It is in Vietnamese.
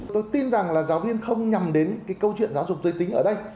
tôi tin rằng là giáo viên không nhầm đến cái câu chuyện giáo dục giới tính ở đây